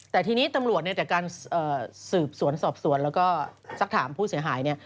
แต่ทีนี้ตำรวจเนี่ยจากการสืบสวนสอบสวนแล้วก็สักถามผู้เสียหายเนี่ย